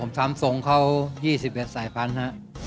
ผมทำทรงเขา๒๑สายพันธุ์ฮะ